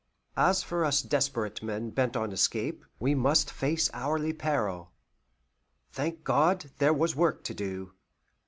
As for us desperate men bent on escape, we must face hourly peril. Thank God, there was work to do.